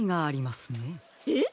えっ！？